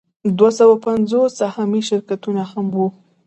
دوه سوه پنځوس سهامي شرکتونه هم وو